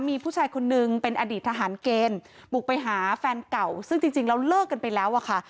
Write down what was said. มีผู้ชายคนนึงเป็นอดีตทหารเกณฑ์บุกไปหาแฟนเก่าซึ่งจริงแล้วเลิกกันไปแล้วอะค่ะ